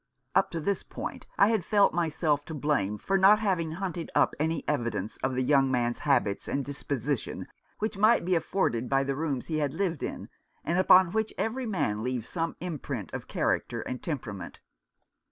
Up to this point I had felt myself to blame for not having hunted up any evidence of the young man's habits and disposition which might be afforded by the rooms he had lived in, and upon which every man leaves some imprint of character and temperament.